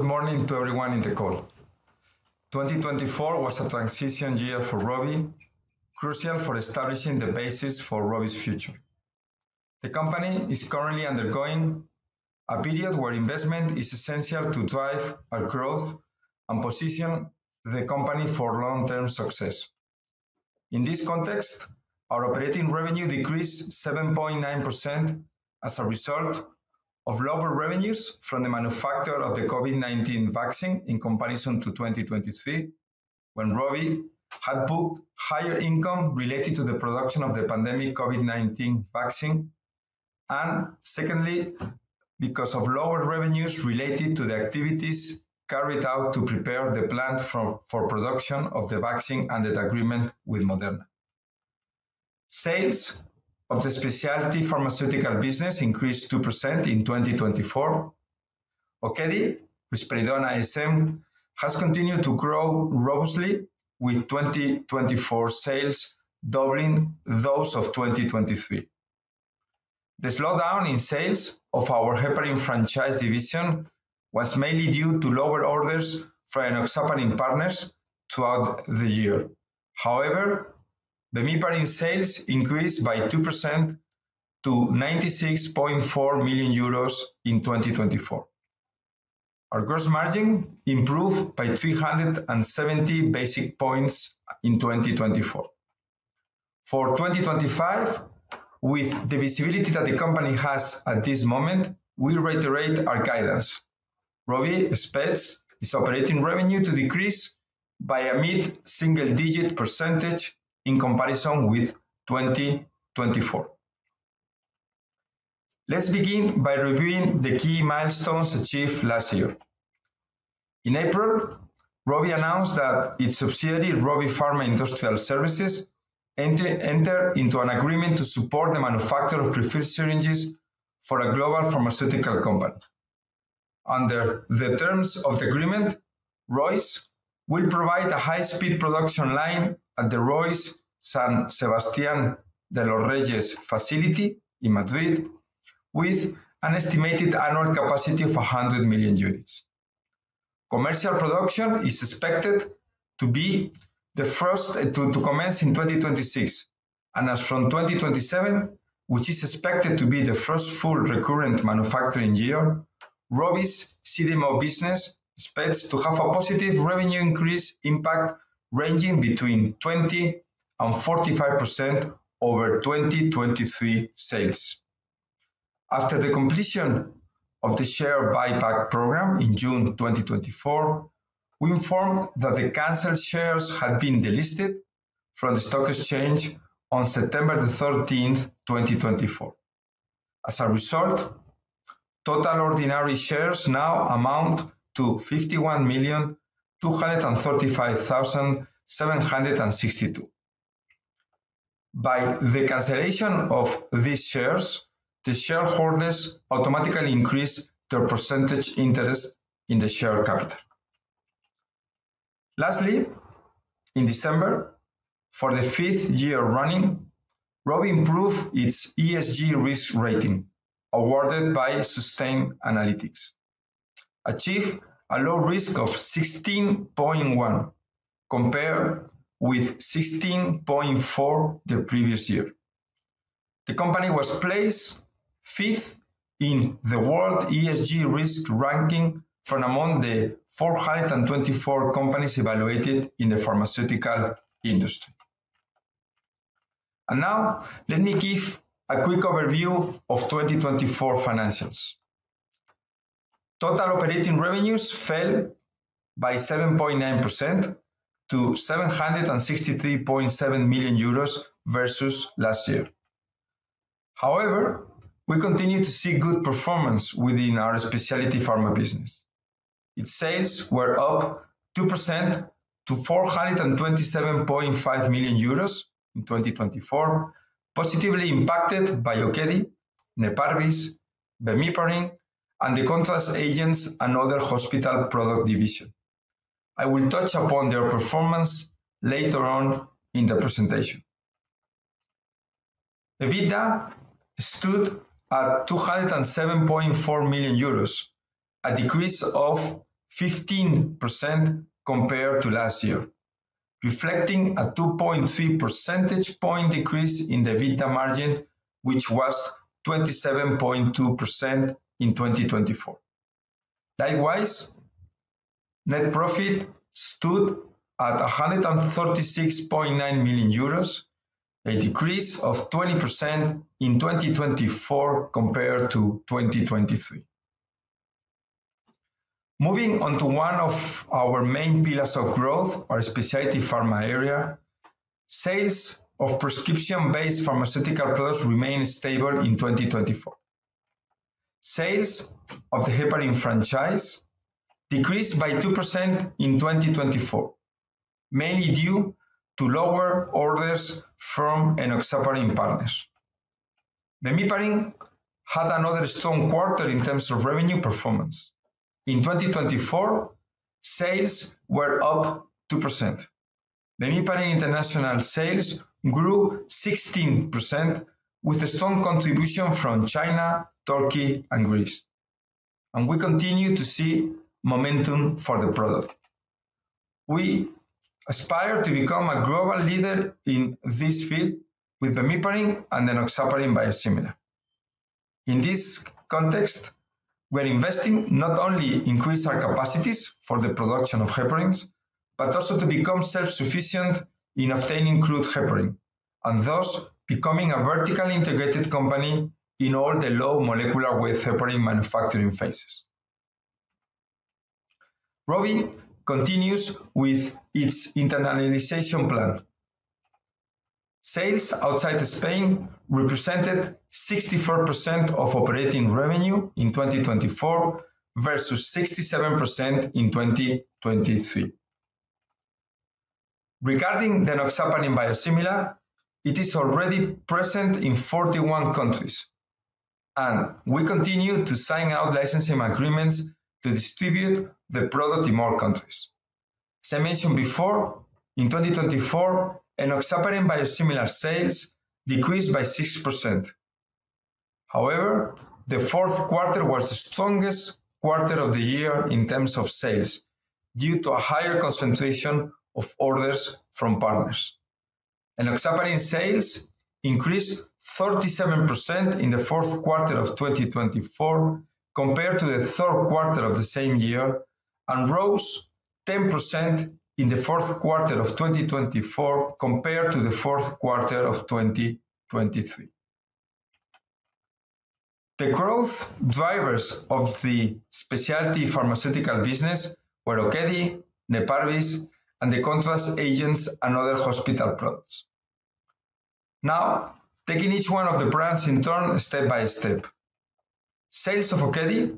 Good morning to everyone in the call. 2024 was a transition year for Rovi, crucial for establishing the basis for Rovi's future. The company is currently undergoing a period where investment is essential to drive our growth and position the company for long-term success. In this context, our operating revenue decreased 7.9% as a result of lower revenues from the manufacture of the COVID-19 vaccine in comparison to 2023, when Rovi had booked higher income related to the production of the pandemic COVID-19 vaccine, and secondly, because of lower revenues related to the activities carried out to prepare the plant for production of the vaccine and the agreement with Moderna. Sales of the specialty pharmaceutical business increased 2% in 2024. Okedi, which predominates them, has continued to grow robustly, with 2024 sales doubling those of 2023. The slowdown in sales of our heparin franchise division was mainly due to lower orders from enoxaparin partners throughout the year. However, the Bemiparin sales increased by 2% to 96.4 million euros in 2024. Our gross margin improved by 370 basis points in 2024. For 2025, with the visibility that the company has at this moment, we reiterate our guidance. Rovi expects its operating revenue to decrease by a mid-single-digit percentage in comparison with 2024. Let's begin by reviewing the key milestones achieved last year. In April, Rovi announced that its subsidiary, Rovi Pharma Industrial Services, entered into an agreement to support the manufacture of prefilled syringes for a global pharmaceutical company. Under the terms of the agreement, ROIS will provide a high-speed production line at the ROIS San Sebastián de los Reyes facility in Madrid, with an estimated annual capacity of 100 million units. Commercial production is expected to commence in 2026, and as from 2027, which is expected to be the first full recurrent manufacturing year, Rovi's CDMO business expects to have a positive revenue increase impact ranging between 20% and 45% over 2023 sales. After the completion of the share buyback program in June 2024, we informed that the canceled shares had been delisted from the stock exchange on September 13, 2024. As a result, total ordinary shares now amount to 51,235,762. By the cancellation of these shares, the shareholders automatically increase their percentage interest in the share capital. Lastly, in December, for the fifth year running, Rovi improved its ESG risk rating awarded by Sustainalytics, achieving a low risk of 16.1 compared with 16.4 the previous year. The company was placed fifth in the world ESG risk ranking from among the 424 companies evaluated in the pharmaceutical industry. Now, let me give a quick overview of 2024 financials. Total operating revenues fell by 7.9% to 763.7 million euros versus last year. However, we continue to see good performance within our specialty pharma business. Its sales were up 2% to 427.5 million euros in 2024, positively impacted by Okedi, Neparvis, Bemiparin, and the contrast agents and other hospital product division. I will touch upon their performance later on in the presentation. EBITDA stood at 207.4 million euros, a decrease of 15% compared to last year, reflecting a 2.3 percentage point decrease in the EBITDA margin, which was 27.2% in 2024. Likewise, net profit stood at 136.9 million euros, a decrease of 20% in 2024 compared to 2023. Moving on to one of our main pillars of growth, our specialty pharma area, sales of prescription-based pharmaceutical products remained stable in 2024. Sales of the heparin franchise decreased by 2% in 2024, mainly due to lower orders from enoxaparin partners. Bemiparin had another strong quarter in terms of revenue performance. In 2024, sales were up 2%. Bemiparin International sales grew 16%, with a strong contribution from China, Turkey, and Greece. And we continue to see momentum for the product. We aspire to become a global leader in this field with Bemiparin and the enoxaparin biosimilar. In this context, we are investing not only to increase our capacities for the production of heparins, but also to become self-sufficient in obtaining crude heparin and thus becoming a vertically integrated company in all the low molecular weight heparin manufacturing phases. Rovi continues with its internalization plan. Sales outside Spain represented 64% of operating revenue in 2024 versus 67% in 2023. Regarding the enoxaparin biosimilar, it is already present in 41 countries, and we continue to sign out licensing agreements to distribute the product in more countries. As I mentioned before, in 2024, enoxaparin biosimilar sales decreased by 6%. However, the fourth quarter was the strongest quarter of the year in terms of sales due to a higher concentration of orders from partners. enoxaparin sales increased 37% in the fourth quarter of 2024 compared to the third quarter of the same year and rose 10% in the fourth quarter of 2024 compared to the fourth quarter of 2023. The growth drivers of the specialty pharmaceutical business were Okedi, Neparvis, and the contrast agents and other hospital products. Now, taking each one of the brands in turn step by step, sales of Okedi,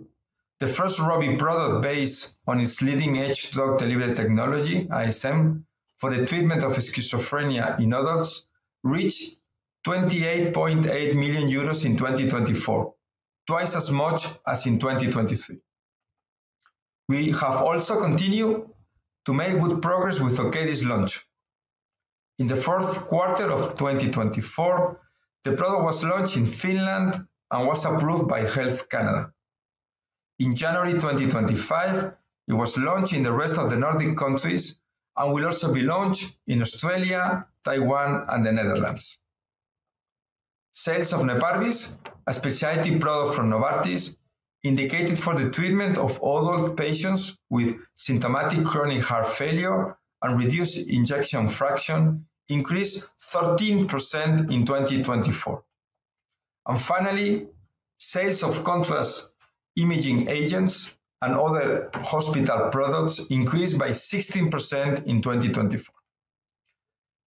the first Rovi product based on its leading-edge drug-delivery technology, ISM, for the treatment of schizophrenia in adults, reached 28.8 million euros in 2024, twice as much as in 2023. We have also continued to make good progress with Okedi's launch. In the fourth quarter of 2024, the product was launched in Finland and was approved by Health Canada. In January 2025, it was launched in the rest of the Nordic countries and will also be launched in Australia, Taiwan, and the Netherlands. Sales of Neparvis, a specialty product from Novartis, indicated for the treatment of adult patients with symptomatic chronic heart failure and reduced ejection fraction, increased 13% in 2024. And finally, sales of contrast imaging agents and other hospital products increased by 16% in 2024.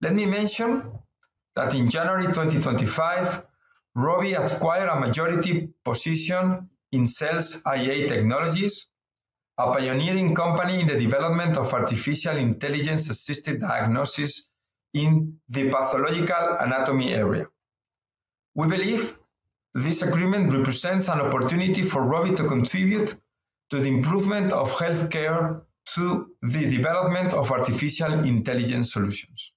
Let me mention that in January 2025, Rovi acquired a majority position in SalesIA Technologies, a pioneering company in the development of artificial intelligence-assisted diagnosis in the pathological anatomy area. We believe this agreement represents an opportunity for Rovi to contribute to the improvement of healthcare through the development of artificial intelligence solutions.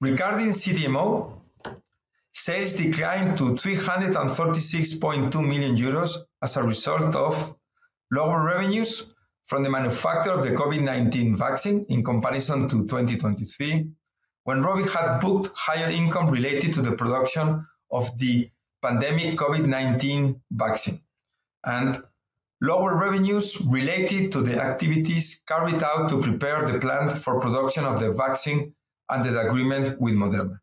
Regarding CDMO, sales declined to 336.2 million euros as a result of lower revenues from the manufacture of the COVID-19 vaccine in comparison to 2023, when Rovi had booked higher income related to the production of the pandemic COVID-19 vaccine and lower revenues related to the activities carried out to prepare the plant for production of the vaccine and the agreement with Moderna.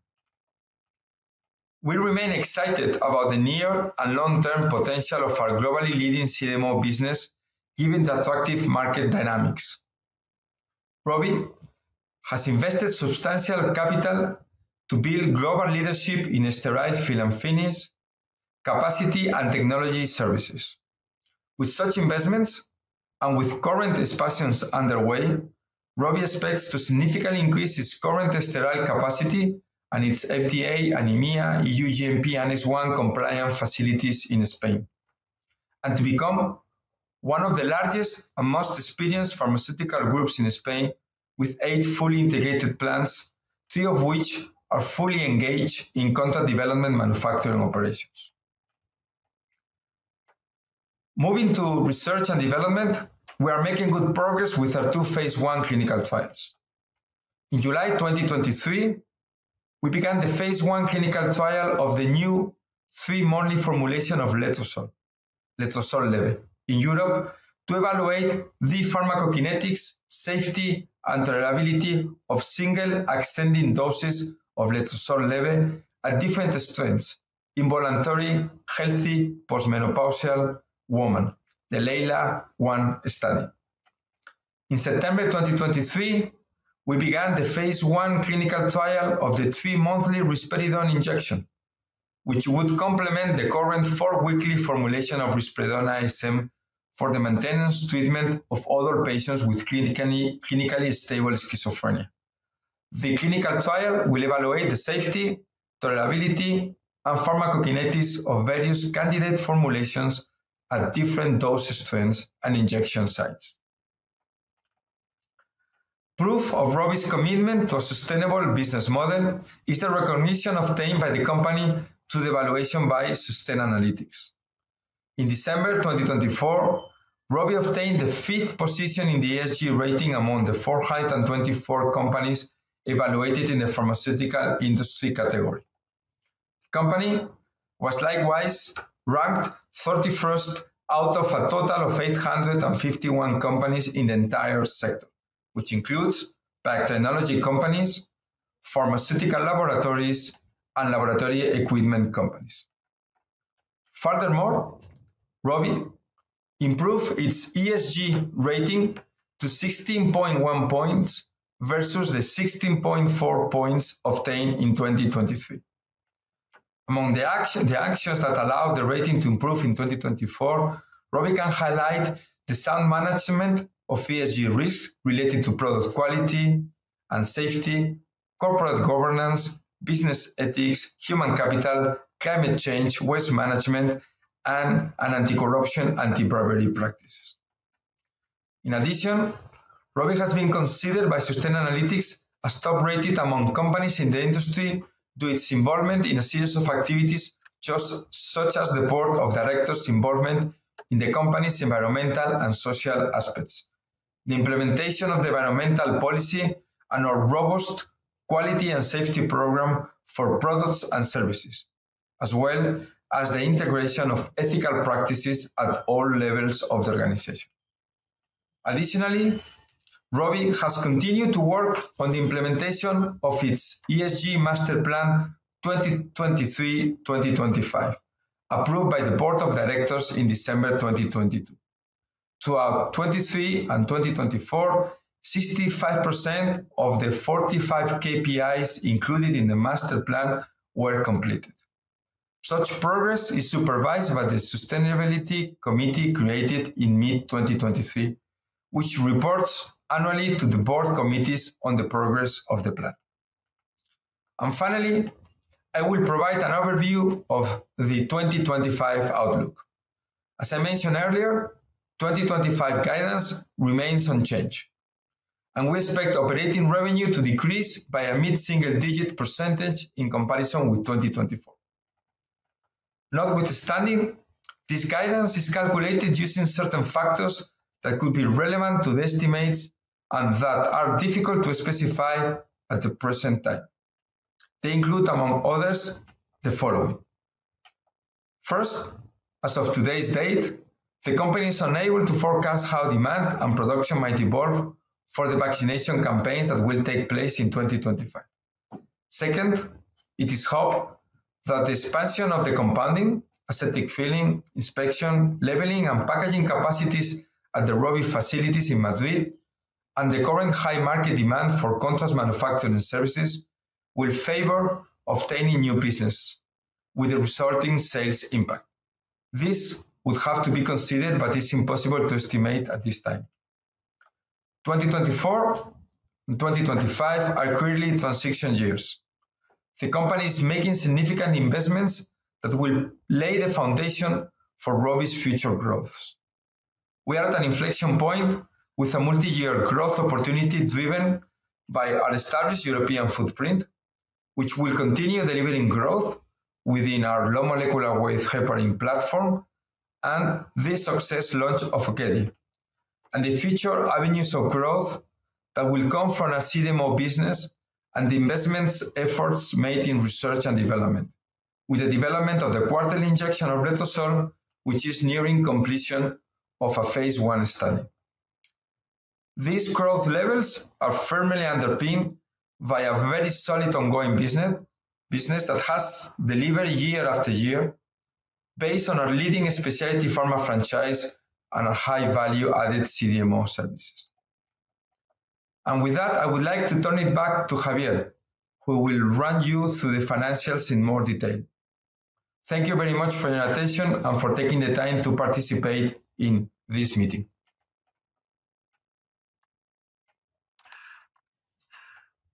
We remain excited about the near and long-term potential of our globally leading CDMO business, given the attractive market dynamics. Rovi has invested substantial capital to build global leadership in sterile fill-and-finish, capacity, and technology services. With such investments and with current expansions underway, Rovi expects to significantly increase its current sterile capacity and its FDA, Anvisa, EU GMP, and Annex 1 compliant facilities in Spain, and to become one of the largest and most experienced pharmaceutical groups in Spain with eight fully integrated plants, three of which are fully engaged in contract development manufacturing operations. Moving to research and development, we are making good progress with our two phase one clinical trials. In July 2023, we began the phase one clinical trial of the new three-monthly formulation of letrozole, letrozole ISM, in Europe to evaluate the pharmacokinetics, safety, and tolerability of single ascending doses of letrozole ISM at different strengths in voluntary healthy postmenopausal women, the LEILA-1 study. In September 2023, we began the phase I clinical trial of the three-monthly risperidone injection, which would complement the current four-weekly formulation of risperidone ISM for the maintenance treatment of other patients with clinically stable schizophrenia. The clinical trial will evaluate the safety, tolerability, and pharmacokinetics of various candidate formulations at different dose strengths and injection sites. Proof of Rovi's commitment to a sustainable business model is the recognition obtained by the company through the evaluation by Sustainalytics. In December 2024, Rovi obtained the fifth position in the ESG rating among the 424 companies evaluated in the pharmaceutical industry category. The company was likewise ranked 31st out of a total of 851 companies in the entire sector, which includes biotechnology companies, pharmaceutical laboratories, and laboratory equipment companies. Furthermore, Rovi improved its ESG rating to 16.1 points versus the 16.4 points obtained in 2023. Among the actions that allowed the rating to improve in 2024, Rovi can highlight the sound management of ESG risk related to product quality and safety, corporate governance, business ethics, human capital, climate change, waste management, and anti-corruption, anti-bribery practices. In addition, Rovi has been considered by Sustainalytics as top-rated among companies in the industry due to its involvement in a series of activities such as the board of directors' involvement in the company's environmental and social aspects, the implementation of the environmental policy, and our robust quality and safety program for products and services, as well as the integration of ethical practices at all levels of the organization. Additionally, Rovi has continued to work on the implementation of its ESG master plan 2023-2025, approved by the board of directors in December 2022. Throughout 2023 and 2024, 65% of the 45 KPIs included in the master plan were completed. Such progress is supervised by the Sustainability Committee created in mid-2023, which reports annually to the board committees on the progress of the plan. Finally, I will provide an overview of the 2025 outlook. As I mentioned earlier, 2025 guidance remains unchanged, and we expect operating revenue to decrease by a mid-single-digit % in comparison with 2024. Notwithstanding, this guidance is calculated using certain factors that could be relevant to the estimates and that are difficult to specify at the present time. They include, among others, the following. First, as of today's date, the company is unable to forecast how demand and production might evolve for the vaccination campaigns that will take place in 2025. Second, it is hoped that the expansion of the compounding, aseptic filling, inspection, labeling, and packaging capacities at the Rovi facilities in Madrid and the current high market demand for contract manufacturing services will favor obtaining new business, with the resulting sales impact. This would have to be considered, but it's impossible to estimate at this time. 2024 and 2025 are clearly transition years. The company is making significant investments that will lay the foundation for Rovi's future growth. We are at an inflection point with a multi-year growth opportunity driven by our established European footprint, which will continue delivering growth within our low molecular weight heparin platform and the successful launch of Okedi and the future avenues of growth that will come from our CDMO business and the investment efforts made in research and development, with the development of the quarterly injection of letrozole, which is nearing completion of a phase I study. These growth levels are firmly underpinned by a very solid ongoing business that has delivered year after year based on our leading specialty pharma franchise and our high-value added CDMO services. With that, I would like to turn it back to Javier, who will run you through the financials in more detail. Thank you very much for your attention and for taking the time to participate in this meeting.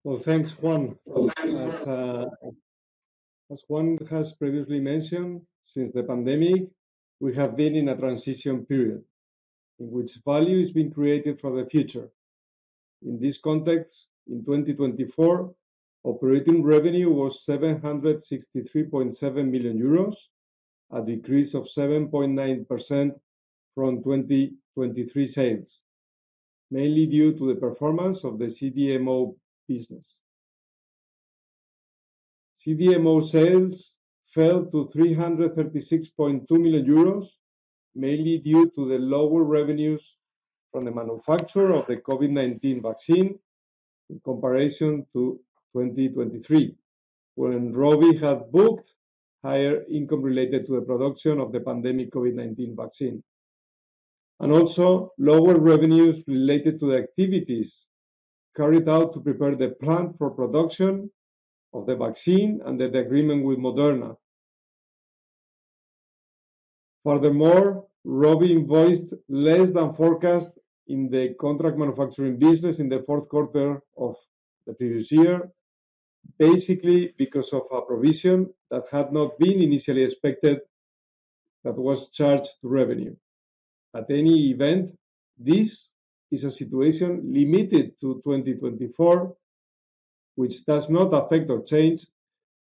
Well, thanks, Juan. Thanks. As Juan has previously mentioned, since the pandemic, we have been in a transition period in which value is being created for the future. In this context, in 2024, operating revenue was 763.7 million euros, a decrease of 7.9% from 2023 sales, mainly due to the performance of the CDMO business. CDMO sales fell to 336.2 million euros, mainly due to the lower revenues from the manufacture of the COVID-19 vaccine in comparison to 2023, when Rovi had booked higher income related to the production of the pandemic COVID-19 vaccine, and also lower revenues related to the activities carried out to prepare the plant for production of the vaccine and the agreement with Moderna. Furthermore, Rovi invoiced less than forecast in the contract manufacturing business in the fourth quarter of the previous year, basically because of a provision that had not been initially expected that was charged to revenue. At any rate, this is a situation limited to 2024, which does not affect or change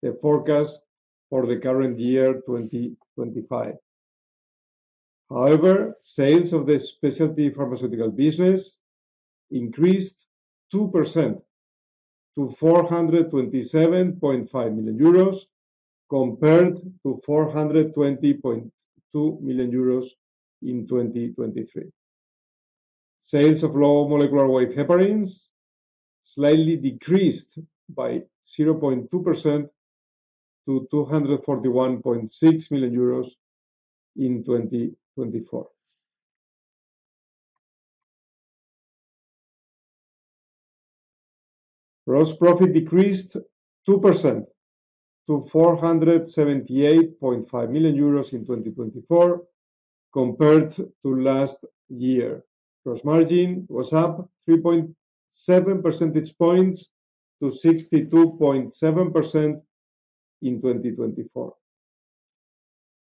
the forecast for the current year, 2025. However, sales of the specialty pharmaceutical business increased 2% to 427.5 million euros compared to 420.2 million euros in 2023. Sales of low molecular weight heparins slightly decreased by 0.2% to EUR 241.6 million in 2024. Gross profit decreased 2% to 478.5 million euros in 2024 compared to last year. Gross margin was up 3.7 percentage points to 62.7% in 2024.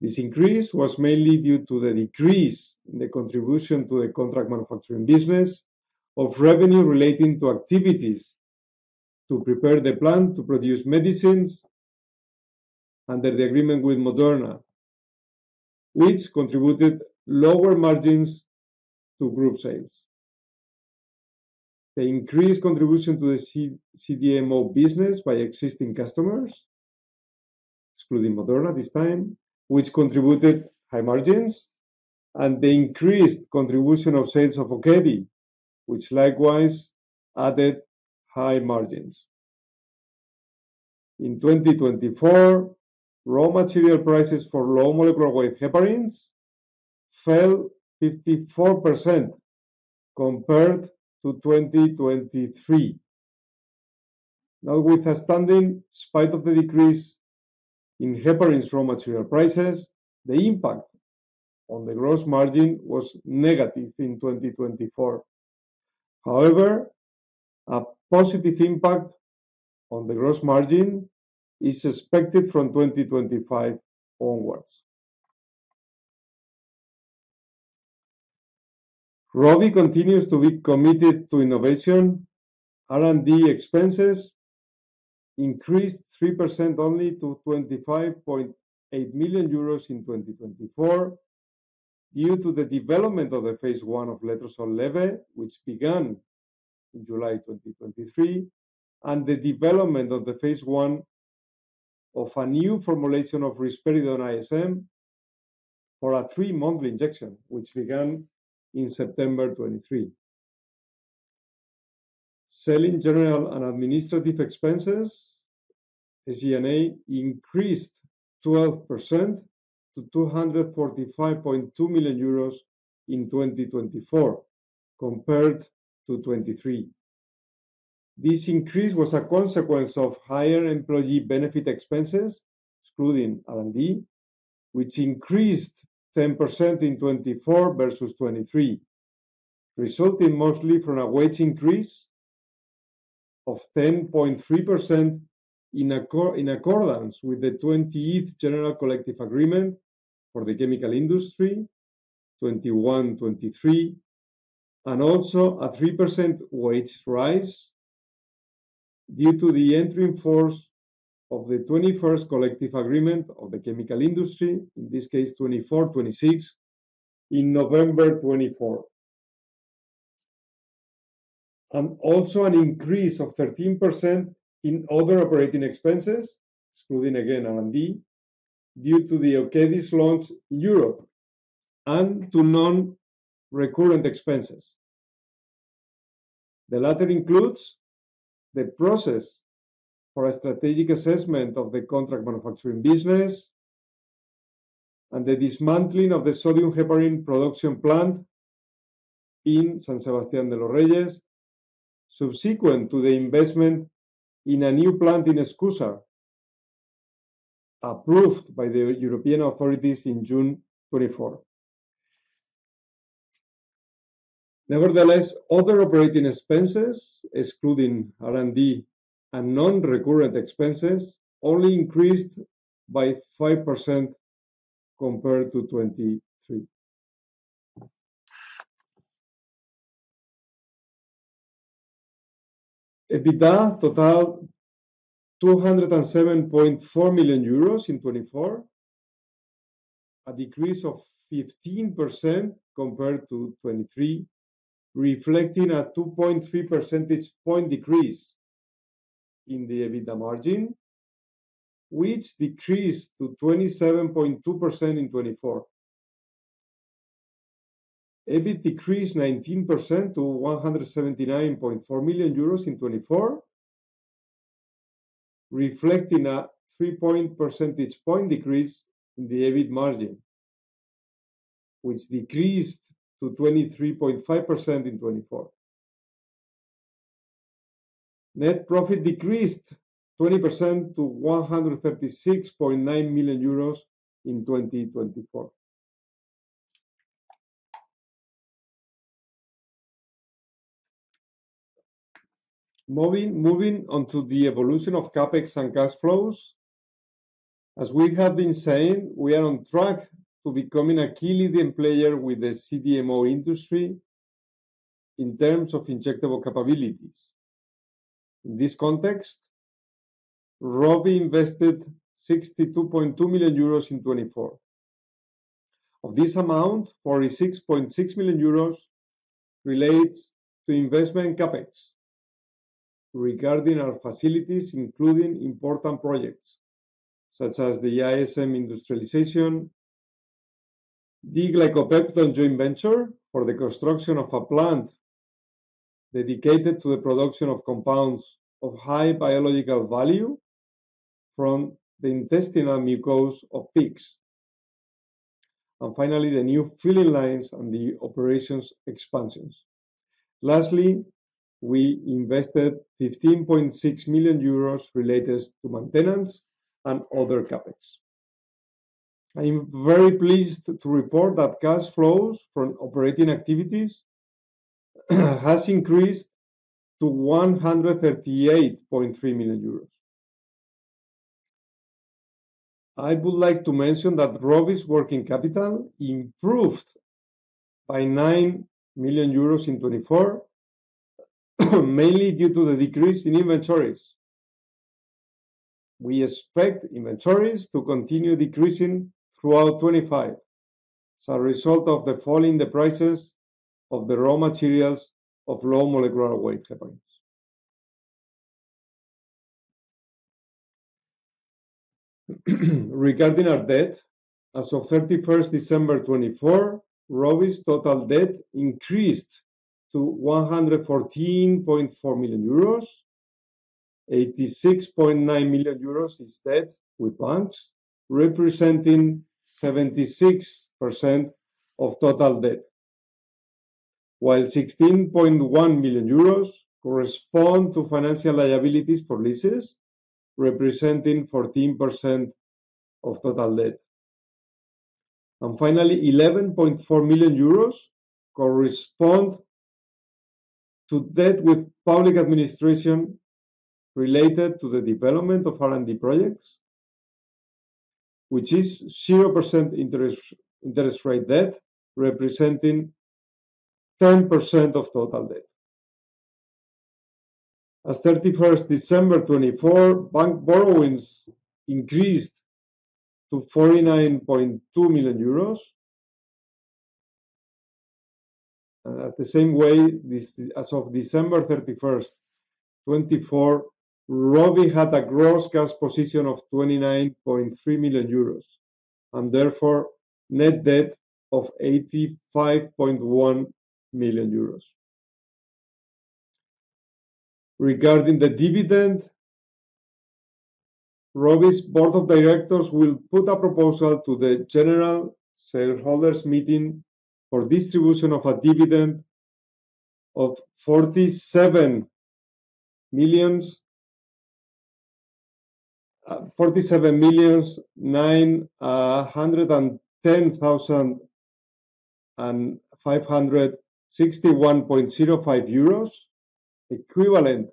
This increase was mainly due to the decrease in the contribution to the contract manufacturing business of revenue relating to activities to prepare the plant to produce medicines under the agreement with Moderna, which contributed lower margins to group sales. The increased contribution to the CDMO business by existing customers, excluding Moderna this time, which contributed high margins, and the increased contribution of sales of Okedi, which likewise added high margins. In 2024, raw material prices for low molecular weight heparins fell 54% compared to 2023. Now, notwithstanding the spike of the decrease in heparins raw material prices, the impact on the gross margin was negative in 2024. However, a positive impact on the gross margin is expected from 2025 onwards. Rovi continues to be committed to innovation. R&D expenses increased 3% only to 25.8 million euros in 2024 due to the development of the phase I of letrozole ISM, which began in July 2023, and the development of the phase I of a new formulation of risperidone ISM for a three-monthly injection, which began in September 2023. Selling general and administrative expenses, SG&A, increased 12% to €245.2 million in 2024 compared to 2023. This increase was a consequence of higher employee benefit expenses, excluding R&D, which increased 10% in 2024 versus 2023, resulting mostly from a wage increase of 10.3% in accordance with the 28th General Collective Agreement for the chemical industry, 2021-2023, and also a 3% wage rise due to the entry in force of the 21st Collective Agreement of the chemical industry, in this case, 2024-2026, in November 2024, and also an increase of 13% in other operating expenses, excluding again R&D, due to the Okedi's launch in Europe and to non-recurrent expenses. The latter includes the process for a strategic assessment of the contract manufacturing business and the dismantling of the sodium heparin production plant in San Sebastián de los Reyes, subsequent to the investment in a new plant in Escúzar, approved by the European authorities in June 2024. Nevertheless, other operating expenses, excluding R&D and non-recurrent expenses, only increased by 5% compared to 2023. EBITDA totaled EUR 207.4 million in 2024, a decrease of 15% compared to 2023, reflecting a 2.3 percentage point decrease in the EBITDA margin, which decreased to 27.2% in 2024. EBIT decreased 19% to 179.4 million euros in 2024, reflecting a 3.0 percentage point decrease in the EBIT margin, which decreased to 23.5% in 2024. Net profit decreased 20% to 136.9 million euros in 2024. Moving on to the evolution of CapEx and cash flows, as we have been saying, we are on track to becoming a key leading player with the CDMO industry in terms of injectable capabilities. In this context, Rovi invested 62.2 million euros in 2024. Of this amount, 46.6 million euros relates to investment CapEx regarding our facilities, including important projects such as the ISM industrialization, the glycopeptide joint venture for the construction of a plant dedicated to the production of compounds of high biological value from the intestinal mucosa of pigs, and finally, the new filling lines and the operations expansions. Lastly, we invested 15.6 million euros related to maintenance and other CapEx. I am very pleased to report that cash flows from operating activities have increased to EUR 138.3 million. I would like to mention that Rovi's working capital improved by 9 million euros in 2024, mainly due to the decrease in inventories. We expect inventories to continue decreasing throughout 2025 as a result of the fall in the prices of the raw materials of low molecular weight heparins. Regarding our debt, as of 31st December 2024, Rovi's total debt increased to 114.4 million euros. 86.9 million euros is debt with banks, representing 76% of total debt, while 16.1 million euros corresponds to financial liabilities for leases, representing 14% of total debt, and finally, 11.4 million euros corresponds to debt with public administration related to the development of R&D projects, which is 0% interest rate debt, representing 10% of total debt. As of 31st December 2024, bank borrowings increased to EUR 49.2 million, and at the same way, as of December 31st, 2024, Rovi had a gross cash position of 29.3 million euros and therefore net debt of 85.1 million euros. Regarding the dividend, Rovi's board of directors will put a proposal to the general shareholders meeting for distribution of a dividend of 47,910,561.05 euros, equivalent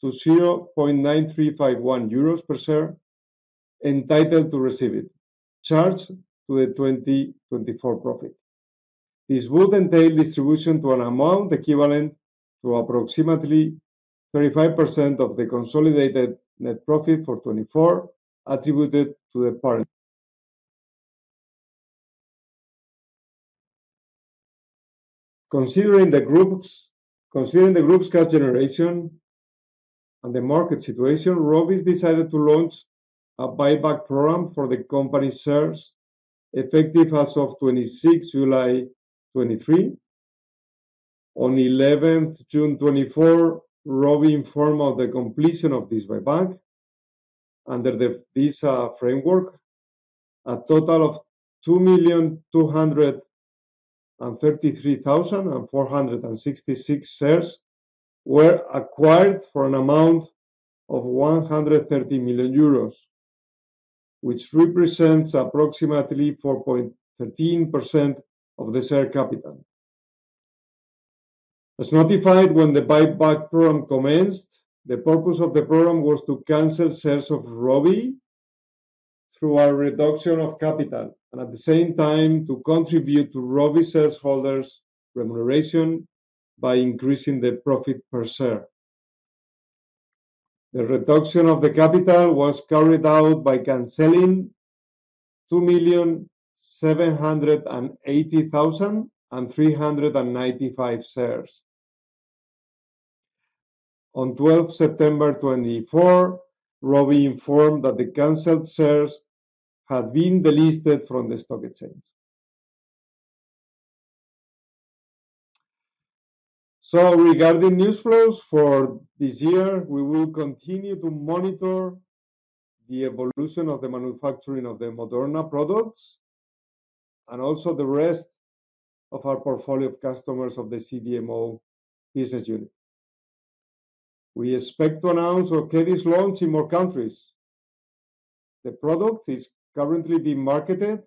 to 0.9351 euros per share, entitled to receive it, charged to the 2024 profit. This would entail distribution to an amount equivalent to approximately 35% of the consolidated net profit for 2024 attributed to the parent. Considering the group's cash generation and the market situation, Rovi decided to launch a buyback program for the company's shares, effective as of 26 July 2023. On 11th June 2024, Rovi informed of the completion of this buyback. Under this framework, a total of 2,233,466 shares were acquired for an amount of 130 million euros, which represents approximately 4.13% of the share capital. As notified when the buyback program commenced, the purpose of the program was to cancel shares of Rovi through a reduction of capital and at the same time to contribute to Rovi shareholders' remuneration by increasing the profit per share. The reduction of the capital was carried out by canceling EUR 2,780,395 shares. On 12 September 2024, Rovi informed that the canceled shares had been delisted from the stock exchange. So, regarding news flows for this year, we will continue to monitor the evolution of the manufacturing of the Moderna products and also the rest of our portfolio of customers of the CDMO business unit. We expect to announce Okedi's launch in more countries. The product is currently being marketed in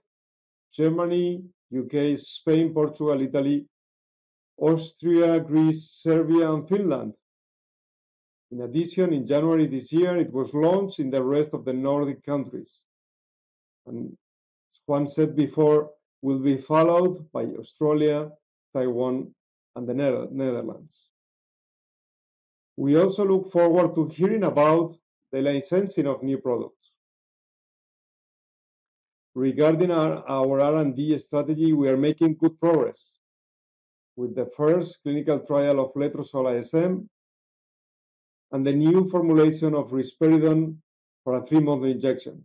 Germany, the UK, Spain, Portugal, Italy, Austria, Greece, Serbia, and Finland. In addition, in January this year, it was launched in the rest of the Nordic countries. And as Juan said before, it will be followed by Australia, Taiwan, and the Netherlands. We also look forward to hearing about the licensing of new products. Regarding our R&D strategy, we are making good progress with the first clinical trial of letrozole ISM and the new formulation of risperidone for a three-monthly injection.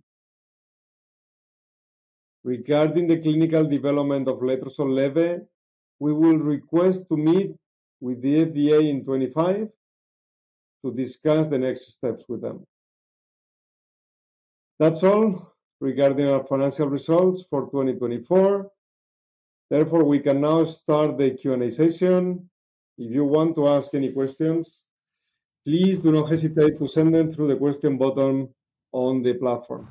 Regarding the clinical development of letrozole ISM, we will request to meet with the FDA in 2025 to discuss the next steps with them. That's all regarding our financial results for 2024. Therefore, we can now start the Q&A session. If you want to ask any questions, please do not hesitate to send them through the question button on the platform.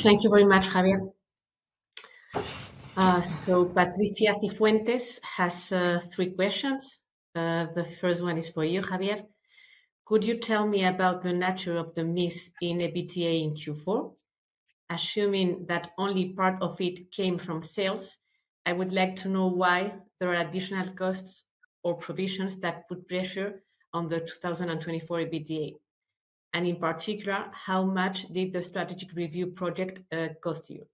Thank you very much, Javier. So, Patricia Cifuentes has three questions. The first one is for you, Javier. Could you tell me about the nature of the miss in EBITDA in Q4? Assuming that only part of it came from sales, I would like to know why there are additional costs or provisions that put pressure on the 2024 EBITDA. And in particular, how much did the strategic review project cost you?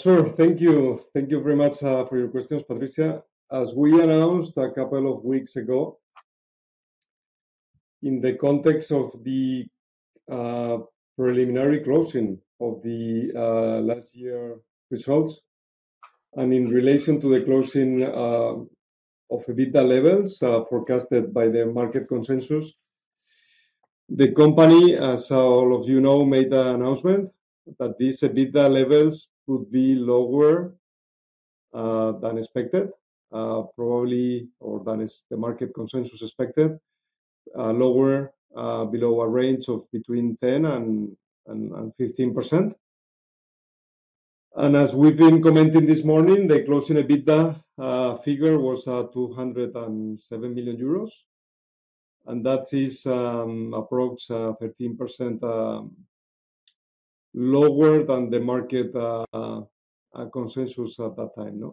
Sure. Thank you. Thank you very much for your questions, Patricia. As we announced a couple of weeks ago, in the context of the preliminary closing of the last year's results and in relation to the closing of EBITDA levels forecasted by the market consensus, the company, as all of you know, made the announcement that these EBITDA levels could be lower than expected, probably, or than the market consensus expected, lower below a range of between 10% and 15%. And as we've been commenting this morning, the closing EBITDA figure was 207 million euros, and that is approximately 13% lower than the market consensus at that time.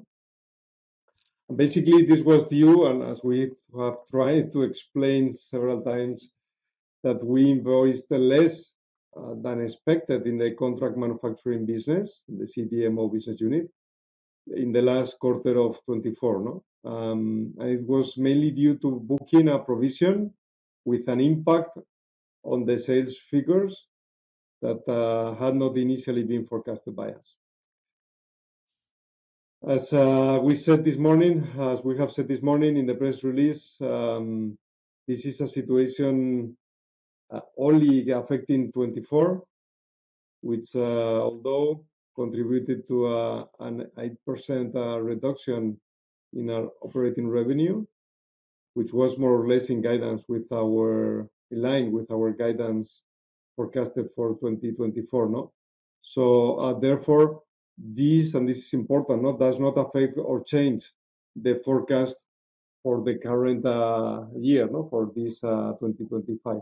Basically, this was due and, as we have tried to explain several times, that we invoiced less than expected in the contract manufacturing business, the CDMO business unit, in the last quarter of 2024, and it was mainly due to booking a provision with an impact on the sales figures that had not initially been forecasted by us. As we said this morning, as we have said this morning in the press release, this is a situation only affecting 2024, which, although, contributed to an 8% reduction in our operating revenue, which was more or less in line with our guidance forecasted for 2024, so therefore, this, and this is important, does not affect or change the forecast for the current year for this 2025.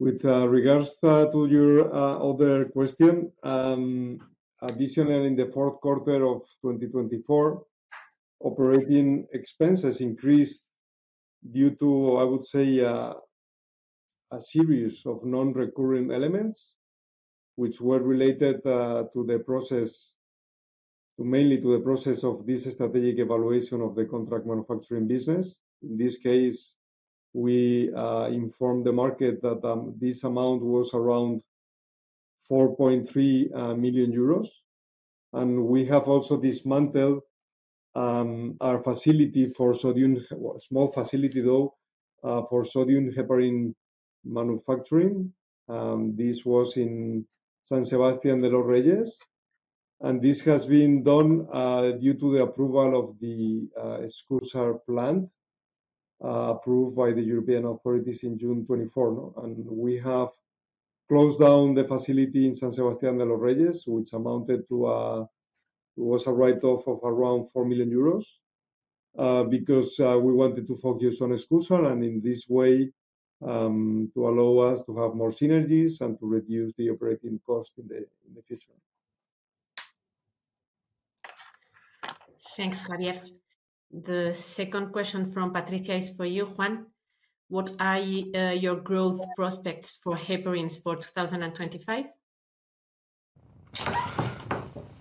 With regards to your other question, additionally, in the fourth quarter of 2024, operating expenses increased due to, I would say, a series of non-recurring elements, which were related to the process, mainly to the process of this strategic evaluation of the contract manufacturing business. In this case, we informed the market that this amount was around 4.3 million euros. We have also dismantled our facility for sodium, a small facility, though, for sodium heparin manufacturing. This was in San Sebastián de los Reyes. This has been done due to the approval of the Escúzar plant approved by the European authorities in June 2024. We have closed down the facility in San Sebastián de los Reyes, which amounted to a, it was a write-off of around 4 million euros because we wanted to focus on Escúzar and in this way to allow us to have more synergies and to reduce the operating cost in the future. Thanks, Javier. The second question from Patricia is for you, Juan. What are your growth prospects for heparins for 2025?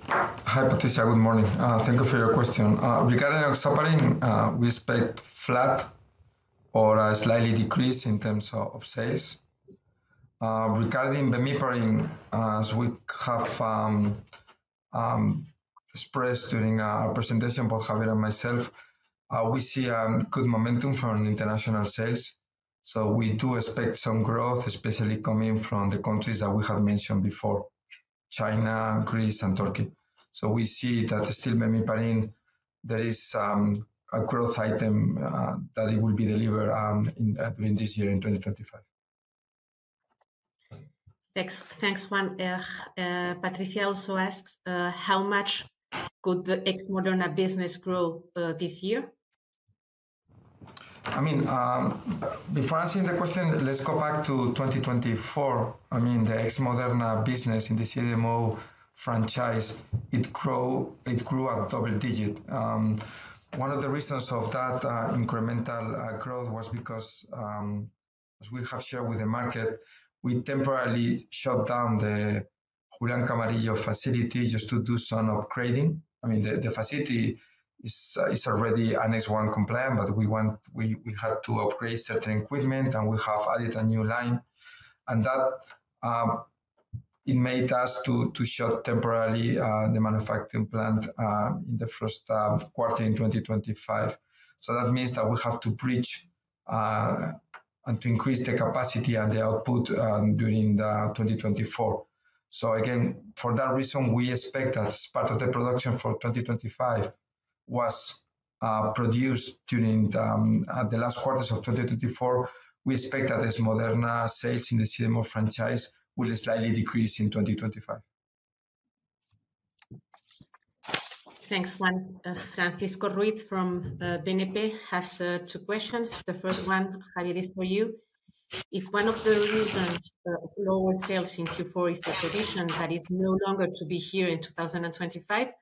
Hi, Patricia. Good morning. Thank you for your question. Regarding enoxaparin, we expect flat or a slightly decrease in terms of sales. Regarding Bemiparin, as we have expressed during our presentation by Javier and myself, we see a good momentum from international sales. So we do expect some growth, especially coming from the countries that we have mentioned before: China, Greece, and Turkey. So we see that still, Bemiparin, there is a growth item that it will be delivered during this year in 2025. Thanks, Juan. Patricia also asks, how much could the ex-Moderna business grow this year? I mean, before answering the question, let's go back to 2024. I mean, the ex-Moderna business in the CDMO franchise, it grew at double digit. One of the reasons of that incremental growth was because, as we have shared with the market, we temporarily shut down the Julián Camarillo facility just to do some upgrading. I mean, the facility is already an Annex 1 compliant, but we had to upgrade certain equipment, and we have added a new line. And that, it made us to shut temporarily the manufacturing plant in the first quarter in 2025. So that means that we have to bridge and to increase the capacity and the output during 2024. So again, for that reason, we expect that part of the production for 2025 was produced during the last quarters of 2024. We expect that Ex Moderna sales in the CDMO franchise will slightly decrease in 2025. Thanks, Juan. Francisco Ruiz from BNP has two questions. The first one, Javier, is for you. If one of the reasons of lower sales in Q4 is a provision that is no longer to be here in 2025,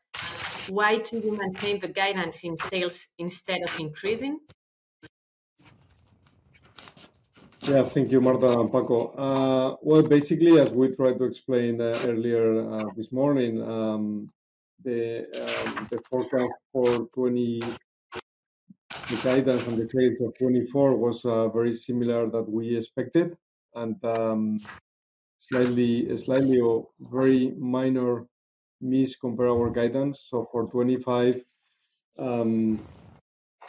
why do you maintain the guidance in sales instead of increasing? Yeah, thank you, Marta and Paco. Well, basically, as we tried to explain earlier this morning, the forecast for the guidance and the sales of 2024 was very similar to what we expected and slightly or very minor miss compared to our guidance. So for 2025,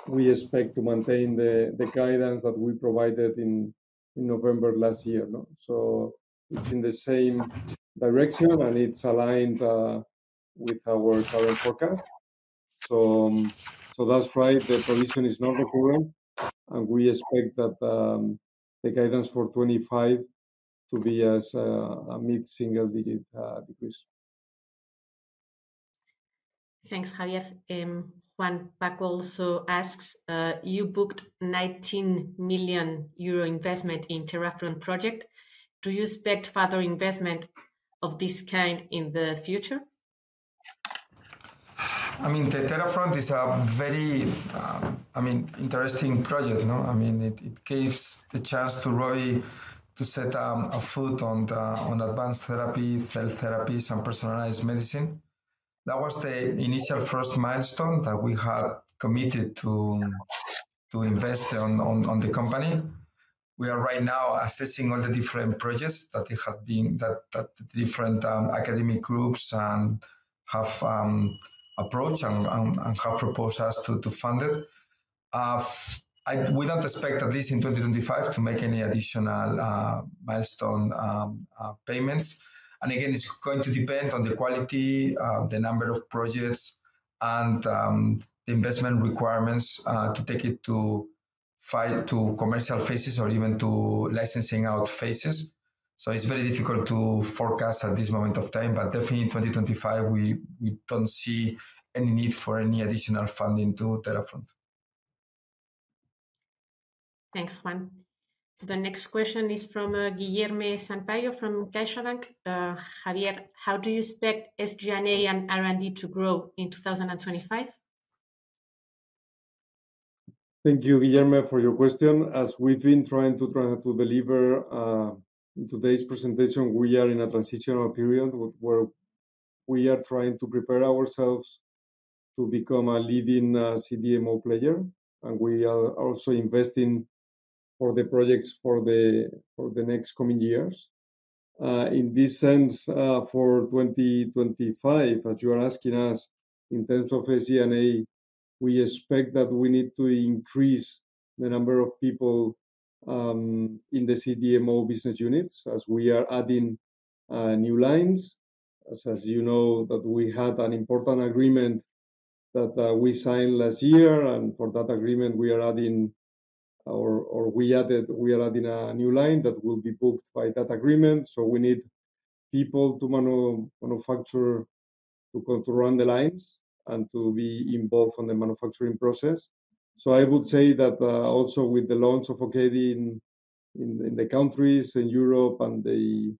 we expect to maintain the guidance that we provided in November last year. It's in the same direction, and it's aligned with our current forecast. That's why the provision is not recurring. We expect that the guidance for 2025 to be a mid-single-digit decrease. Thanks, Javier. Juan Paco also asks, you booked 19 million euro investment in the Terafront project. Do you expect further investment of this kind in the future? I mean, the Terafront is a very, I mean, interesting project. I mean, it gives the chance to Rovi to set a foot on advanced therapies, cell therapies, and personalized medicine. That was the initial first milestone that we had committed to invest on the company. We are right now assessing all the different projects that the different academic groups have approached and have proposed us to fund it. We don't expect, at least in 2025, to make any additional milestone payments. Again, it's going to depend on the quality, the number of projects, and the investment requirements to take it to commercial phases or even to licensing out phases. It's very difficult to forecast at this moment of time, but definitely in 2025, we don't see any need for any additional funding to Terafront. Thanks, Juan. The next question is from Guilherme Sampaio from CaixaBank. Javier, how do you expect SG&A and R&D to grow in 2025? Thank you, Guilherme, for your question. As we've been trying to deliver in today's presentation, we are in a transitional period where we are trying to prepare ourselves to become a leading CDMO player. We are also investing for the projects for the next coming years. In this sense, for 2025, as you are asking us, in terms of SG&A, we expect that we need to increase the number of people in the CDMO business units as we are adding new lines. As you know, we had an important agreement that we signed last year, and for that agreement, we are adding a new line that will be booked by that agreement. So we need people to manufacture, to run the lines, and to be involved in the manufacturing process. So I would say that also with the launch of Okedi in the countries, in Europe, and the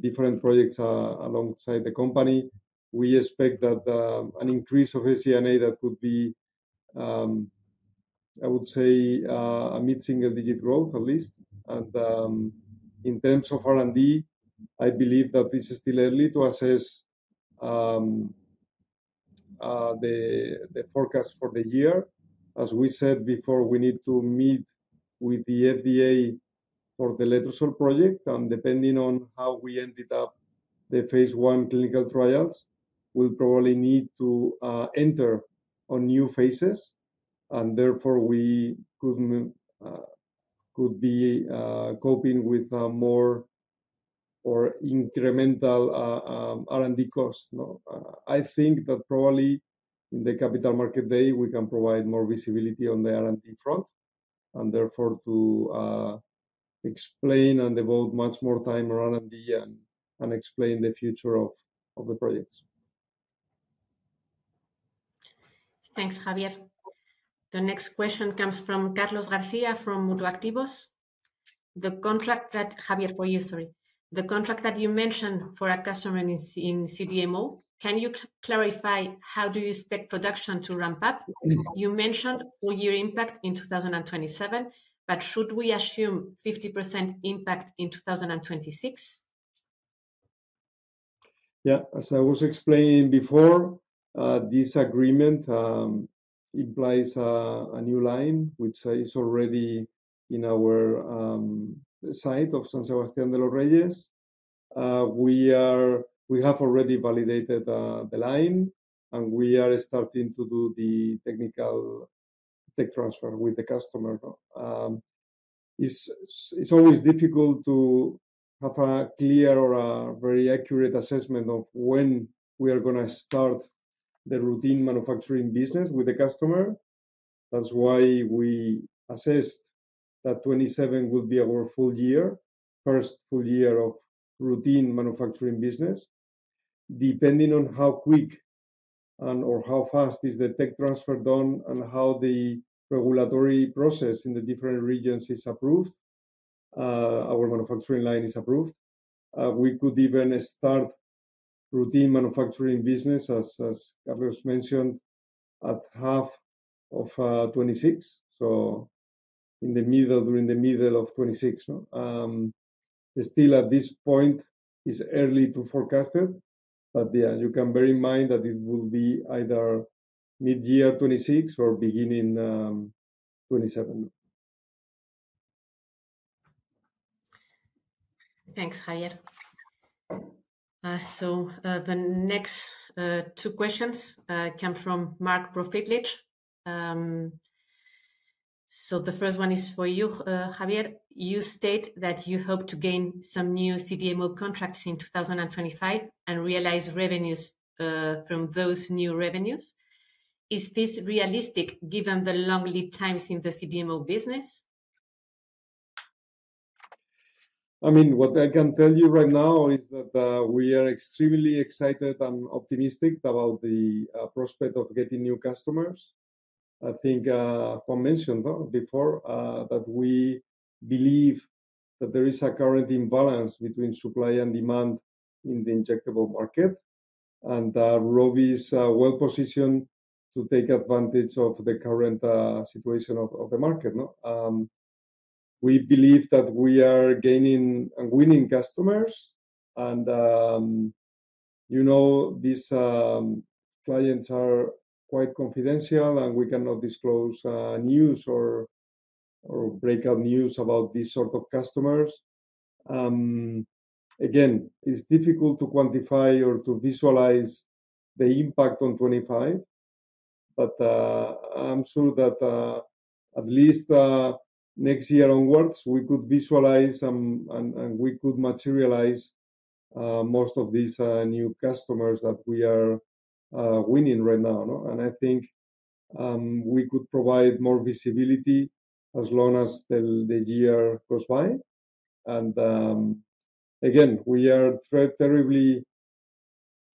different projects alongside the company, we expect that an increase of SG&A that could be, I would say, a mid-single-digit growth, at least, and in terms of R&D, I believe that it's still early to assess the forecast for the year. As we said before, we need to meet with the FDA for the letrozole project, and depending on how we ended up the phase one clinical trials, we'll probably need to enter new phases, and therefore, we could be coping with more or incremental R&D costs. I think that probably in the capital market day, we can provide more visibility on the R&D front and therefore to explain and devote much more time around the future of the projects. Thanks, Javier. The next question comes from Carlos García from Mutuactivos. The contract that, Javier, for you, sorry, the contract that you mentioned for a customer in CDMO, can you clarify how do you expect production to ramp up? You mentioned full year impact in 2027, but should we assume 50% impact in 2026? Yeah. As I was explaining before, this agreement implies a new line, which is already in our site of San Sebastián de los Reyes. We have already validated the line, and we are starting to do the technical tech transfer with the customer. It's always difficult to have a clear or a very accurate assessment of when we are going to start the routine manufacturing business with the customer. That's why we assessed that 2027 would be our full year, first full year of routine manufacturing business. Depending on how quick and/or how fast is the tech transfer done and how the regulatory process in the different regions is approved, our manufacturing line is approved, we could even start routine manufacturing business, as Carlos mentioned, at half of 2026, so in the middle, during the middle of 2026. Still, at this point, it's early to forecast it. But yeah, you can bear in mind that it will be either mid-year 2026 or beginning 2027. Thanks, Javier. So the next two questions come from Marc Profitlich. So the first one is for you, Javier. You state that you hope to gain some new CDMO contracts in 2025 and realize revenues from those new revenues. Is this realistic given the long lead times in the CDMO business? I mean, what I can tell you right now is that we are extremely excited and optimistic about the prospect of getting new customers. I think Juan mentioned before that we believe that there is a current imbalance between supply and demand in the injectable market, and Rovi is well-positioned to take advantage of the current situation of the market. We believe that we are gaining and winning customers. These clients are quite confidential, and we cannot disclose news or breaking news about these sorts of customers. Again, it's difficult to quantify or to visualize the impact on 2025, but I'm sure that at least next year onwards, we could visualize and we could materialize most of these new customers that we are winning right now. I think we could provide more visibility as long as the year goes by. Again, we are terribly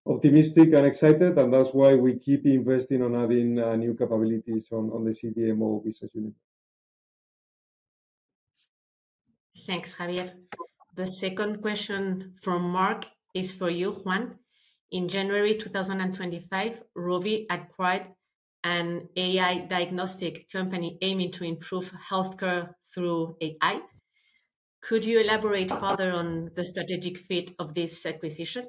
optimistic and excited, and that's why we keep investing on adding new capabilities on the CDMO business unit. Thanks, Javier. The second question from Mark is for you, Juan. In January 2025, Rovi acquired an AI diagnostic company aiming to improve healthcare through AI. Could you elaborate further on the strategic fit of this acquisition?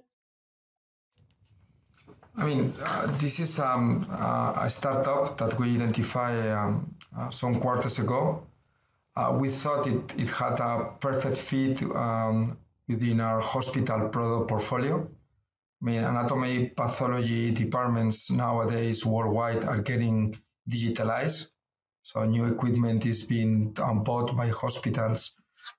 I mean, this is a startup that we identified some quarters ago. We thought it had a perfect fit within our hospital product portfolio. I mean, anatomic pathology departments nowadays worldwide are getting digitized. So new equipment is being bought by hospitals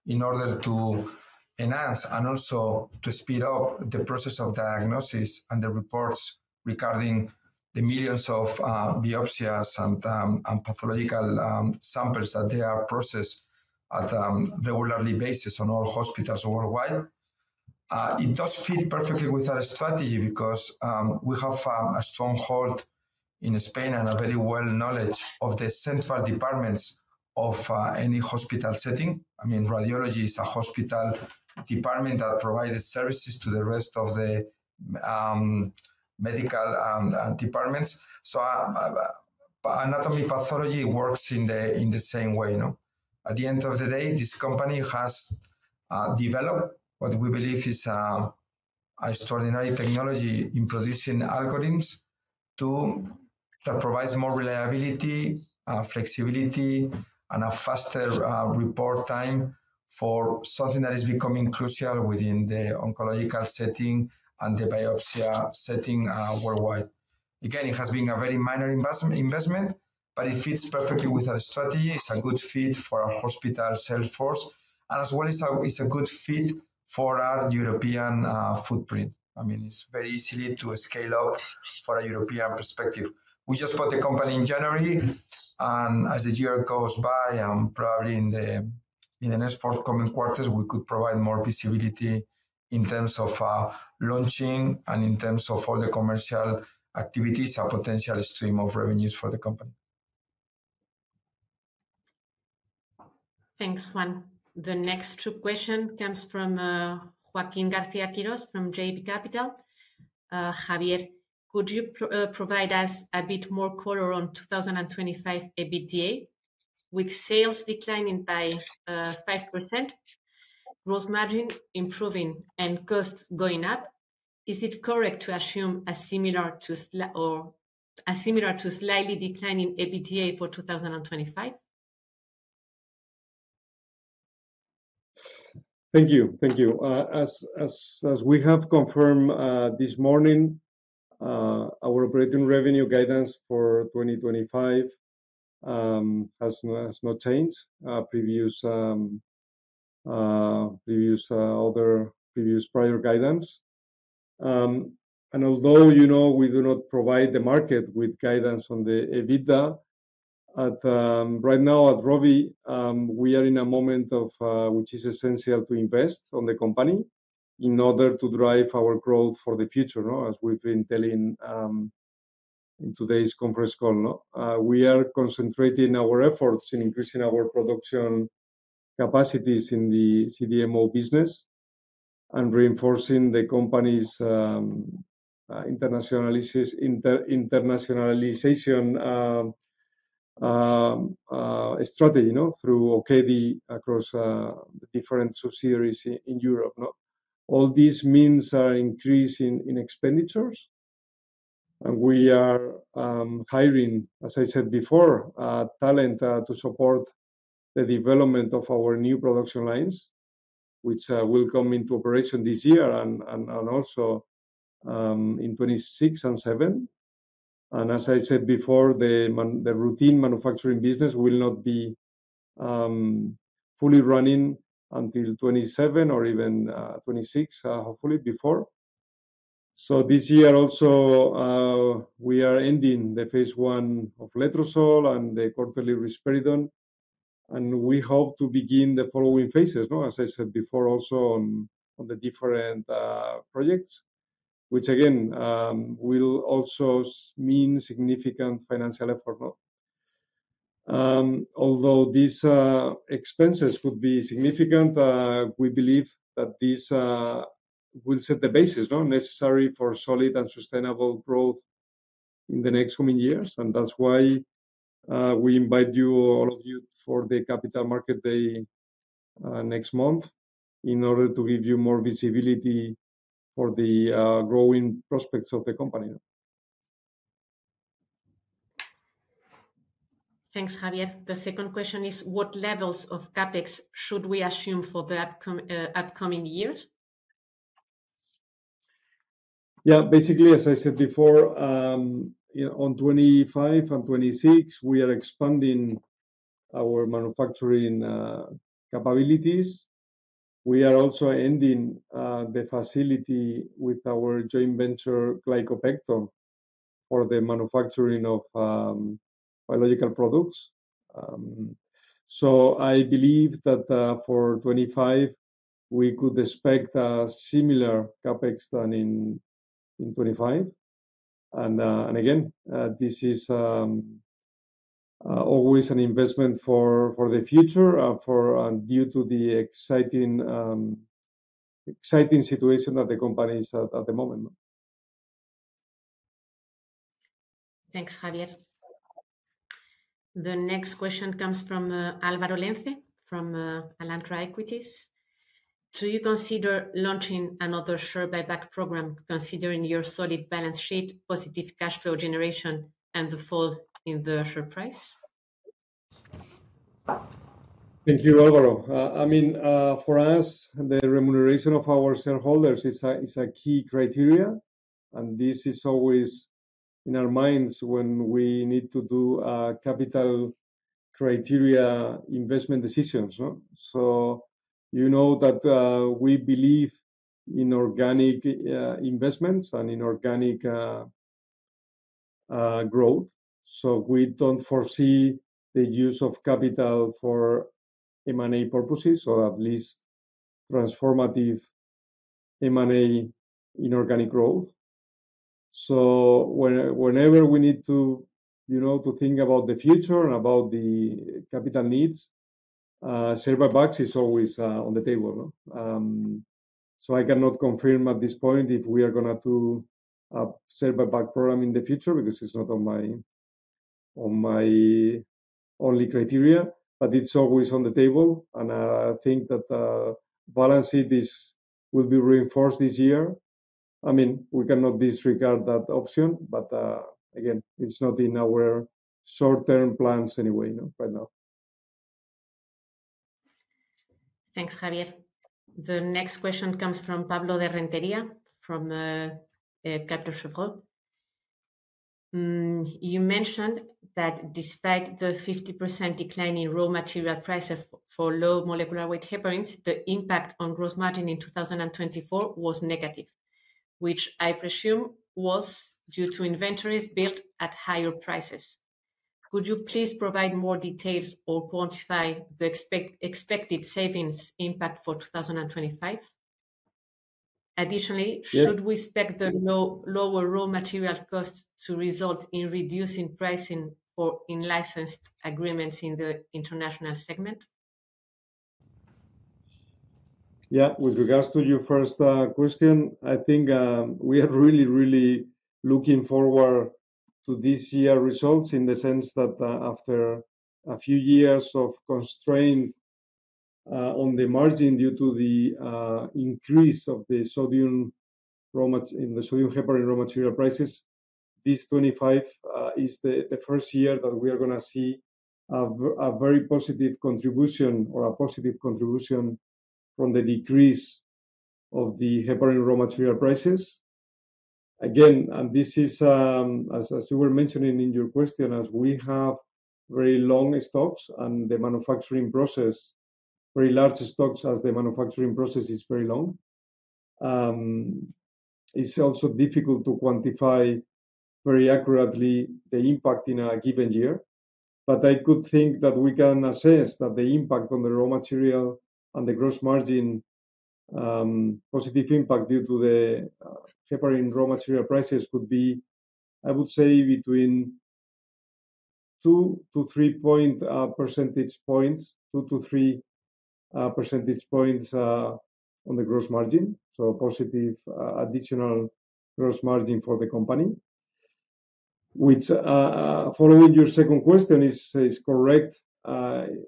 in order to enhance and also to speed up the process of diagnosis and the reports regarding the millions of biopsies and pathological samples that are processed on a regular basis in all hospitals worldwide. It does fit perfectly with our strategy because we have a strong hold in Spain and a very well-known knowledge of the central departments of any hospital setting. I mean, radiology is a hospital department that provides services to the rest of the medical departments. So anatomic pathology works in the same way. At the end of the day, this company has developed what we believe is an extraordinary technology in producing algorithms that provides more reliability, flexibility, and a faster report time for something that is becoming crucial within the oncological setting and the biopsy setting worldwide. Again, it has been a very minor investment, but it fits perfectly with our strategy. It's a good fit for our hospital sales force, and as well, it's a good fit for our European footprint. I mean, it's very easy to scale up from a European perspective. We just bought the company in January, and as the year goes by, and probably in the next forthcoming quarters, we could provide more visibility in terms of launching and in terms of all the commercial activities, a potential stream of revenues for the company. Thanks, Juan. The next two questions come from Joaquín García-Quirós from JB Capital. Javier, could you provide us a bit more color on 2025 EBITDA with sales declining by 5%, gross margin improving, and costs going up? Is it correct to assume a similar to slightly declining EBITDA for 2025? Thank you. Thank you. As we have confirmed this morning, our operating revenue guidance for 2025 has not changed previous prior guidance, and although we do not provide the market with guidance on the EBITDA, right now at Rovi, we are in a moment which is essential to invest on the company in order to drive our growth for the future. As we've been telling in today's conference call, we are concentrating our efforts in increasing our production capacities in the CDMO business and reinforcing the company's internationalization strategy through Okedi across different subsidiaries in Europe. All these means are increasing in expenditures, and we are hiring, as I said before, talent to support the development of our new production lines, which will come into operation this year and also in 2026 and 2027. And as I said before, the routine manufacturing business will not be fully running until 2027 or even 2026, hopefully before. So this year, also, we are ending the phase one of letrozole and the quarterly risperidone. And we hope to begin the following phases, as I said before, also on the different projects, which, again, will also mean significant financial effort. Although these expenses could be significant, we believe that these will set the basis necessary for solid and sustainable growth in the next coming years. And that's why we invite all of you for the capital market day next month in order to give you more visibility for the growing prospects of the company. Thanks, Javier. The second question is, what levels of CapEx should we assume for the upcoming years? Yeah. Basically, as I said before, in 2025 and 2026, we are expanding our manufacturing capabilities. We are also expanding the facility with our joint venture, Glicopepton, for the manufacturing of biological products. So I believe that for 2025, we could expect a similar CapEx to in 2025. And again, this is always an investment for the future due to the exciting situation that the company is at the moment. Thanks, Javier. The next question comes from Álvaro Lenze from Alantra.Do you consider launching another share buyback program considering your solid balance sheet, positive cash flow generation, and the fall in the share price? Thank you, Álvaro. I mean, for us, the remuneration of our shareholders is a key criteria. And this is always in our minds when we need to do capital criteria investment decisions. So you know that we believe in organic investments and in organic growth. So we don't foresee the use of capital for M&A purposes or at least transformative M&A in organic growth. So whenever we need to think about the future and about the capital needs, share buybacks is always on the table. So I cannot confirm at this point if we are going to do a share buyback program in the future because it's not on my only criteria, but it's always on the table. I think that balance sheet will be reinforced this year. I mean, we cannot disregard that option, but again, it's not in our short-term plans anyway right now. Thanks, Javier. The next question comes from Pablo de Rentería from Kepler Cheuvreux. You mentioned that despite the 50% decline in raw material prices for low molecular weight heparins, the impact on gross margin in 2024 was negative, which I presume was due to inventories built at higher prices. Could you please provide more details or quantify the expected savings impact for 2025? Additionally, should we expect the lower raw material costs to result in reducing pricing in licensed agreements in the international segment? Yeah. With regards to your first question, I think we are really, really looking forward to this year's results in the sense that after a few years of constraint on the margin due to the increase of the sodium heparin raw material prices, this 2025 is the first year that we are going to see a very positive contribution or a positive contribution from the decrease of the heparin raw material prices. Again, and this is, as you were mentioning in your question, as we have very long stocks and the manufacturing process, very large stocks as the manufacturing process is very long, it's also difficult to quantify very accurately the impact in a given year. I could think that we can assess that the impact on the raw material and the gross margin, positive impact due to the heparin raw material prices could be, I would say, between 2-3 percentage points, 2-3 percentage points on the gross margin. So positive additional gross margin for the company. Which, following your second question, is correct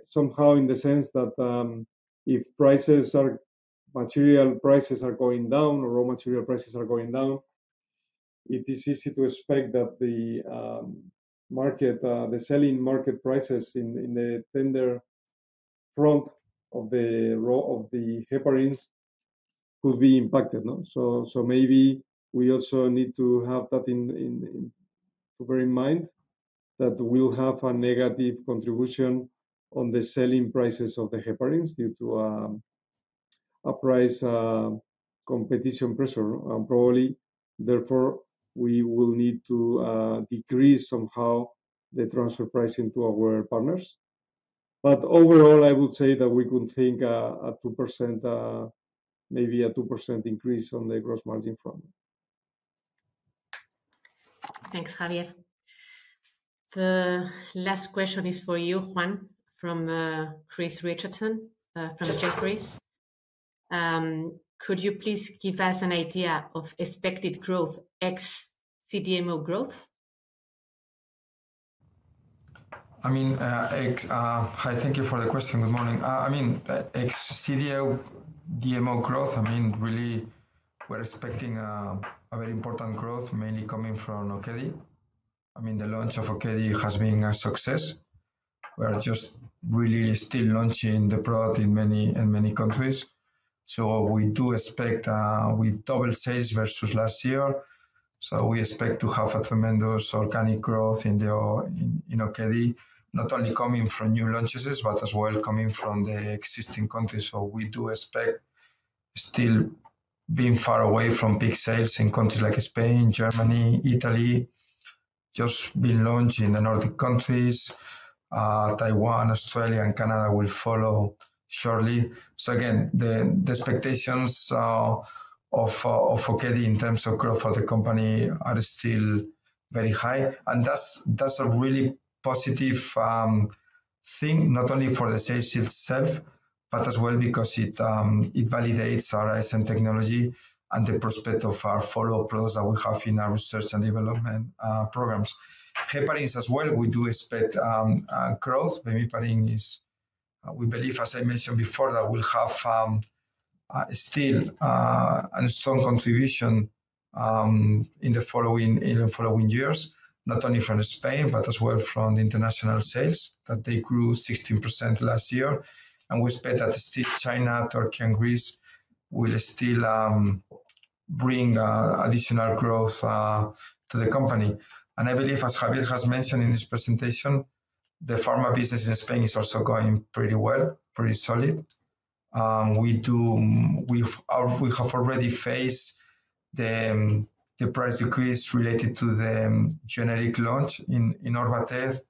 somehow in the sense that if material prices are going down or raw material prices are going down, it is easy to expect that the selling market prices in the tender front of the heparins could be impacted. So maybe we also need to have that to bear in mind that we'll have a negative contribution on the selling prices of the heparins due to a price competition pressure. And probably, therefore, we will need to decrease somehow the transfer pricing to our partners. But overall, I would say that we could think a 2%, maybe a 2% increase on the gross margin front. Thanks, Javier. The last question is for you, Juan, from Chris Richardson from Jefferies. Could you please give us an idea of expected growth ex-CDMO growth? I mean, thank you for the question. Good morning. I mean, ex-CDMO growth, I mean, really, we're expecting a very important growth, mainly coming from Okedi. I mean, the launch of Okedi has been a success. We are just really still launching the product in many countries. So we do expect with double sales versus last year. So we expect to have a tremendous organic growth in Okedi, not only coming from new launches, but as well coming from the existing countries. We do expect still being far away from peak sales in countries like Spain, Germany, Italy, just being launched in the Nordic countries. Taiwan, Australia, and Canada will follow shortly. Again, the expectations of Okedi in terms of growth for the company are still very high. That's a really positive thing, not only for the sales itself, but as well because it validates our ISM technology and the prospect of our follow-up products that we have in our research and development programs. Heparins as well, we do expect growth. We believe, as I mentioned before, that we'll have still a strong contribution in the following years, not only from Spain, but as well from the international sales that they grew 16% last year. We expect that still China, Turkey, and Greece will still bring additional growth to the company. I believe, as Javier has mentioned in his presentation, the pharma business in Spain is also going pretty well, pretty solid. We have already faced the price decrease related to the generic launch in Orvatez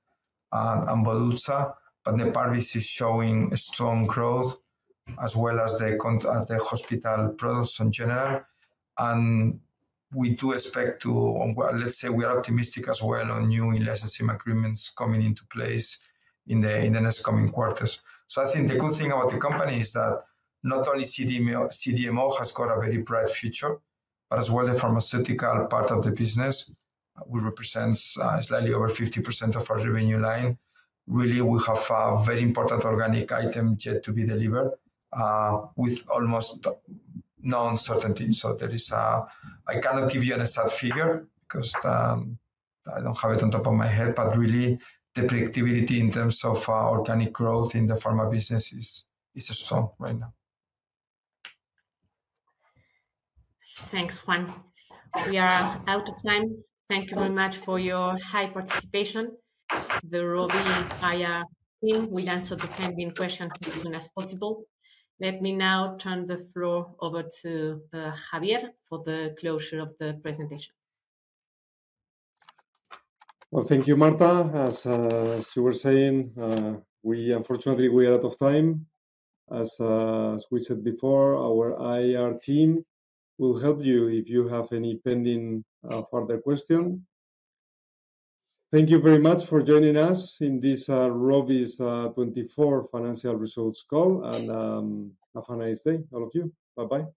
and Volutsa, but the pharmacy is showing strong growth as well as the hospital products in general. We do expect to, let's say, we are optimistic as well on new licensing agreements coming into place in the next coming quarters. I think the good thing about the company is that not only CDMO has got a very bright future, but as well the pharmaceutical part of the business, which represents slightly over 50% of our revenue line. Really, we have a very important organic item yet to be delivered with almost no uncertainty. So I cannot give you an exact figure because I don't have it on top of my head, but really, the predictability in terms of organic growth in the pharma business is strong right now. Thanks, Juan. We are out of time. Thank you very much for your high participation. The Rovi IR team, we'll answer the pending questions as soon as possible. Let me now turn the floor over to Javier for the closure of the presentation. Well, thank you, Marta. As you were saying, unfortunately, we are out of time. As we said before, our IR team will help you if you have any pending further questions. Thank you very much for joining us in this Rovi's 2024 financial results call. And have a nice day, all of you. Bye-bye.